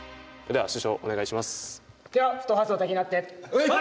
はい！